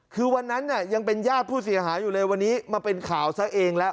คือวันนั้นเนี่ยยังเป็นญาติผู้เสียหายอยู่เลยวันนี้มาเป็นข่าวซะเองแล้ว